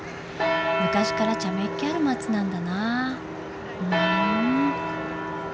昔からちゃめっ気ある街なんだなふん。